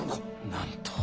なんと。